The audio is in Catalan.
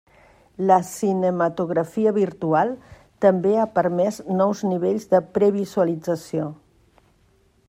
La cinematografia virtual també ha permés nous nivells de previsualització.